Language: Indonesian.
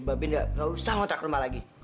babin nggak usah ngontrak rumah lagi